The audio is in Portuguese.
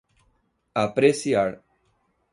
apreciar